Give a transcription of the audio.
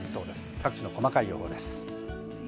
各地の細かい予報です。